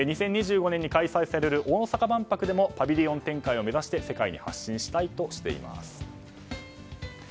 ２０２５年に開催される大阪万博でもパビリオン展開を目指して世界に発信したいとしています。